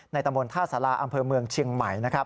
ตำบลท่าสาราอำเภอเมืองเชียงใหม่